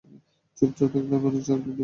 চুপচাপ থাকলে আমি অনেক চকলেট দেবো।